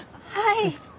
はい。